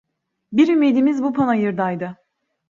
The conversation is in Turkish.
Bir ümidimiz bu panayırdaydı!